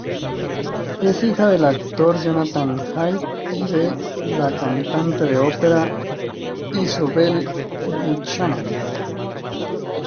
Es hija del actor Jonathan Hyde y de la cantante de ópera Isobel Buchanan.